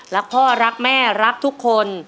รักพ่อรักแม่รักทุกคน